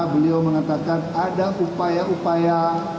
beliau mengatakan ada upaya upaya